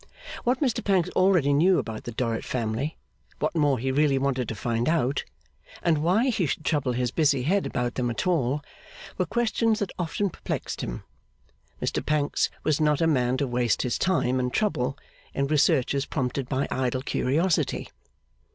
What Mr Pancks already knew about the Dorrit family, what more he really wanted to find out, and why he should trouble his busy head about them at all, were questions that often perplexed him. Mr Pancks was not a man to waste his time and trouble in researches prompted by idle curiosity.